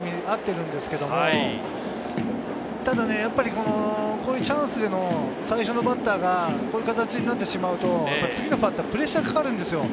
今日は１打席目、合ってるんですけど、こういうチャンスでの最初のバッターがこういう形になってしまうと、次のバッターはプレッシャーがかかるんですよ。